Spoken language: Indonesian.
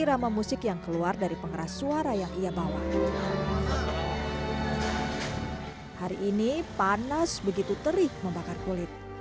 rama musik yang keluar dari pengeras suara yang ia bawa hari ini panas begitu terik membakar kulit